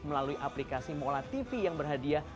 melalui aplikasi mola tv yang berhadiah